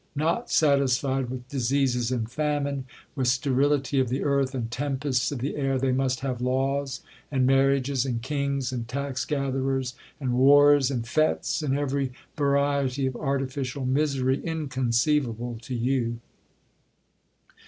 Not satisfied with diseases and famine, with sterility of the earth, and tempests of the air, they must have laws and marriages, and kings and tax gatherers, and wars and fetes, and every variety of artificial misery inconceivable to you.'